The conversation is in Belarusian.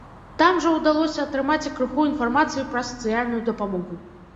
Там жа ўдалося атрымаць і крыху інфармацыі пра сацыяльную дапамогу.